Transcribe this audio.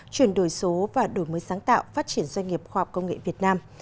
chuyển đổi số và đổi mới sáng tạo phát triển doanh nghiệp khoa học công nghệ việt nam